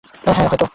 হ্যাঁ - হয়তো।